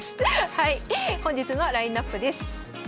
はい本日のラインナップです。